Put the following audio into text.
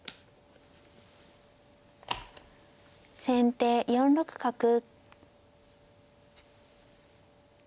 先手４六角。